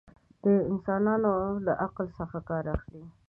انسانان له عقل څخه ڪار اخلي.